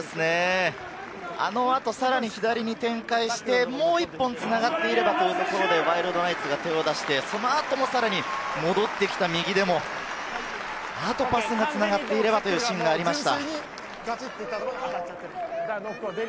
あの後、さらに左に展開して、もう一本繋がっていればというところで、ワイルドナイツが手を出して、その後、さらに戻ってきた右でも、あとパスが繋がっていればというシーンでした。